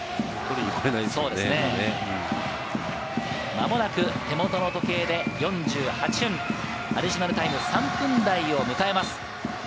間もなく手元の時計で４８分、アディショナルタイム、３分台を迎えます。